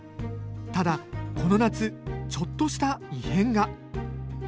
ただ、この夏、ちょっとした異変が。